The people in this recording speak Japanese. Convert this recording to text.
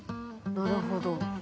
なるほど。